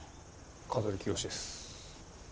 香取清です。